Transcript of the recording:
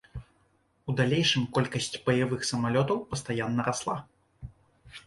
У далейшым колькасць баявых самалётаў пастаянна расла.